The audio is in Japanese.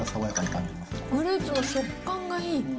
フルーツも食感がいい。